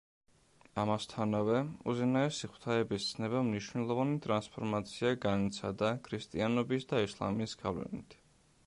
ამასთანავე, უზენაესი ღვთაების ცნებამ მნიშვნელოვანი ტრანსფორმაცია განიცადა ქრისტიანობის და ისლამის გავლენით.